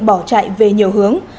bỏ chạy về nhiều hướng